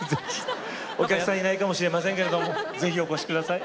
お客さんいないかもしれませんけれどもぜひお越し下さい。